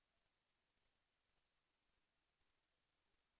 แสวได้ไงของเราก็เชียนนักอยู่ค่ะเป็นผู้ร่วมงานที่ดีมาก